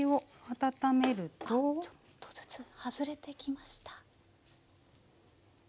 あっちょっとずつ外れてきました。